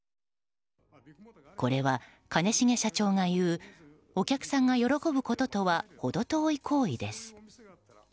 これは、兼重社長が言うお客さんが喜ぶこととは程遠い行為です。